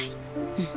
うん。